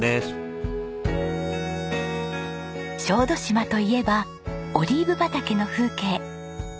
小豆島といえばオリーブ畑の風景。